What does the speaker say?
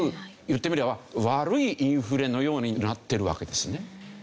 言ってみれば悪いインフレのようになってるわけですね。